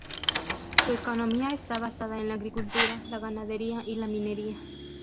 Su economía está basada en la agricultura, la ganadería y la minería.